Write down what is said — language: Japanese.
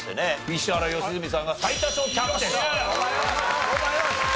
石原良純さんが最多勝キャプテンと。